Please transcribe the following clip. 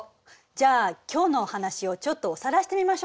じゃあ今日のお話をちょっとおさらいしてみましょうか。